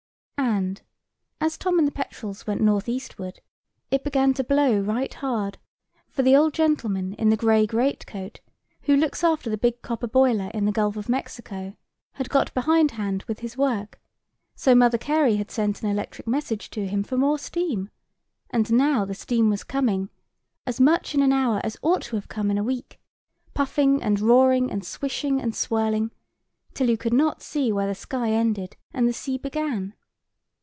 And, as Tom and the petrels went north eastward, it began to blow right hard; for the old gentleman in the gray great coat, who looks after the big copper boiler, in the gulf of Mexico, had got behindhand with his work; so Mother Carey had sent an electric message to him for more steam; and now the steam was coming, as much in an hour as ought to have come in a week, puffing and roaring and swishing and swirling, till you could not see where the sky ended and the sea began.